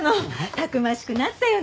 たくましくなったよね。